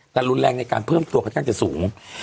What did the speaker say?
แต่รุนแรงในการเพิ่มตัวค่อนข้างจะสูง